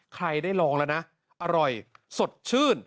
ใครได้ลองแล้วนะอร่อยสดชื่น